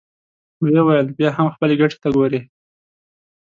ويې ويل: بيا هم خپلې ګټې ته ګورې!